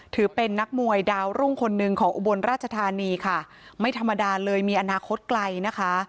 ถือเป็นนักมวยดาวรุ่งคนหนึ่งของอุบลราชธานีค่ะไม่ธรรมดาเลยมีอนาคตไกลนะคะ